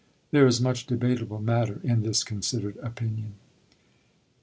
There is much debatable matter in this considered opinion.